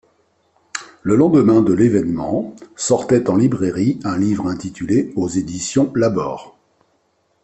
Le lendemain de l’événement sortait en librairie un livre intitulé aux Éditions Labor.